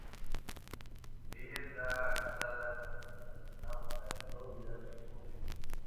Ella está casada con el astronauta Douglas Hurley.